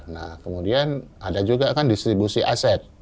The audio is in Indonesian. nah kemudian ada juga kan distribusi aset